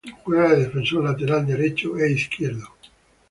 Juega de defensor lateral derecho e izquierdo.